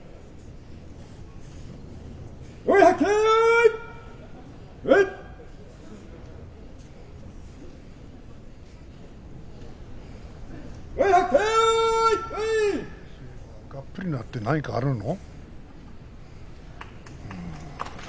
がっぷりになって何かあるの？